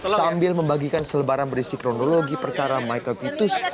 sambil membagikan selebaran berisi kronologi perkara michael titus